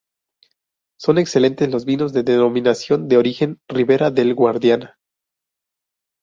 Son excelentes los vinos de denominación de origen Ribera del Guadiana.